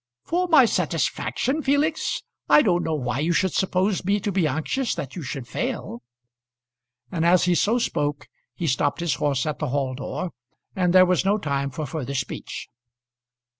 "For my satisfaction, Felix! I don't know why you should suppose me to be anxious that you should fail." And as he so spoke he stopped his horse at the hall door, and there was no time for further speech.